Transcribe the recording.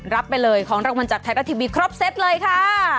รับไปเลยของรางวัลจากไทยรัฐทีวีครบเซตเลยค่ะ